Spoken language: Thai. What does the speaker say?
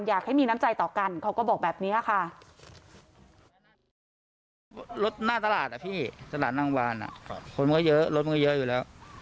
อยากให้มีน้ำใจต่อกันเขาก็บอกแบบนี้ค่ะ